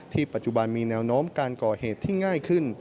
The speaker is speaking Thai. ปัจจุบันมีแนวโน้มการก่อเหตุที่ง่ายขึ้น